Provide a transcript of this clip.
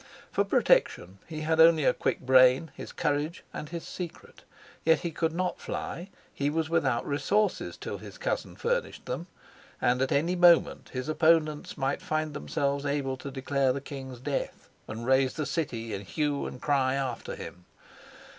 For protection he had only a quick brain, his courage, and his secret. Yet he could not fly he was without resources till his cousin furnished them and at any moment his opponents might find themselves able to declare the king's death and raise the city in hue and cry after him.